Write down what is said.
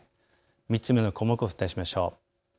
３つ目の項目をお伝えしましょう。